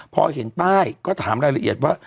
พอเห็นป้ายก็ถามรายละเอียดว่า